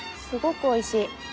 すごくおいしい。